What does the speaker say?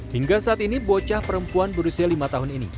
hingga saat ini bocah perempuan berusia lima tahun ini